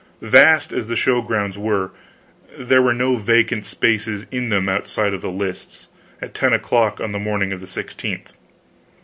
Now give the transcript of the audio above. Vast as the show grounds were, there were no vacant spaces in them outside of the lists, at ten o'clock on the morning of the 16th.